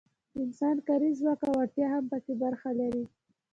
د انسان کاري ځواک او وړتیا هم پکې برخه لري.